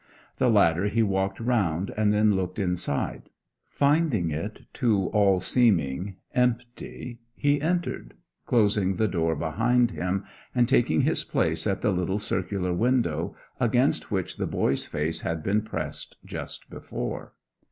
The latter he walked round and then looked inside; finding it to all seeming empty, he entered, closing the door behind him and taking his place at the little circular window against which the boy's face had been pressed just before.